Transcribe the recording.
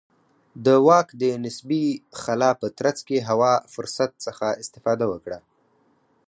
د واک د نسبي خلا په ترڅ کې هوا فرصت څخه استفاده وکړه.